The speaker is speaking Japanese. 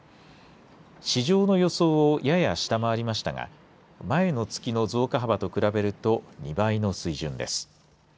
市場の予想をやや下回りましたが前の月の増加幅と比べると２倍の水準です。